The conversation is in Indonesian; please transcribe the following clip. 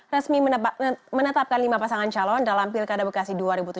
resmi menetapkan lima pasangan calon dalam pilkada bekasi dua ribu tujuh belas